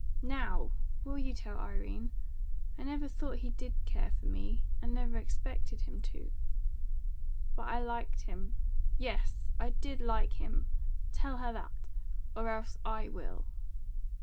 Now, will you tell Irene? I never thought he did care for me, and never expected him to. But I liked him. Yes I did like him! Tell her that! Or else I will."